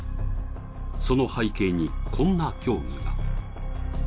その背景に、こんな教義が。